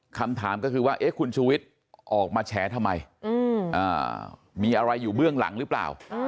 คำถามก็คือว่าคุณชูวิทย์ออกมาแฉทำไมมีอะไรอยู่เบื้องหลังหรือเปล่า